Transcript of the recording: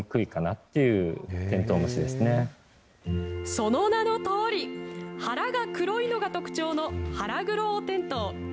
その名のとおり、腹が黒いのが特徴のハラグロオオテントウ。